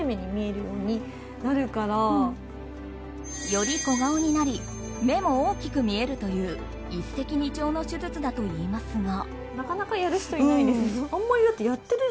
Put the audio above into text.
より小顔になり目も大きく見えるという一石二鳥の手術だといいますが。